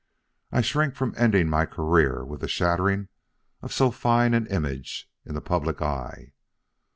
I shrink from ending my career with the shattering of so fine an image, in the public eye.